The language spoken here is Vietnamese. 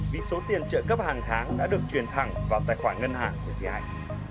vì số tiền trợ cấp hàng tháng đã được truyền thẳng vào tài khoản ngân hàng của tri hạnh